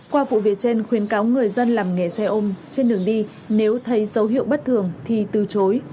qua vụ việc trên khuyến cáo người dân làm nghề xe ôm trên đường đi nếu thấy dấu hiệu bất thường thì từ chối